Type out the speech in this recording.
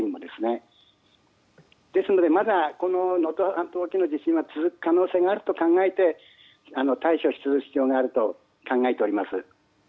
ですので、まだ能登半島沖の地震が続く可能性があると考えて対処する必要があると考えております。